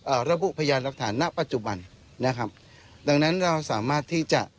ระบุพยานหลักฐานณปัจจุบันนะครับดังนั้นเราสามารถที่จะ